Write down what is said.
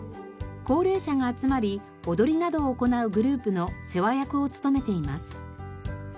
高齢者が集まり踊りなどを行うグループの世話役を務めています。